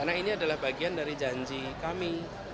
karena ini adalah bagian dari janji kami